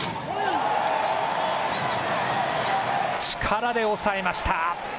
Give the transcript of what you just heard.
力で抑えました。